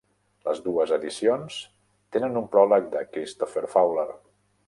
Les dues edicions tenen un pròleg de Christopher Fowler.